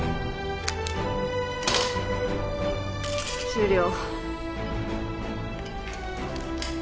終了。